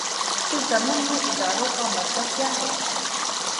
اس ضمن میں اداروں کا مطلب کیا ہے؟